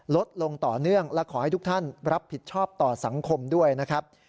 ลดลงต่อเนื่องและขอให้ทุกท่านรับผิดชอบต่อสังคมด้วยนะครับ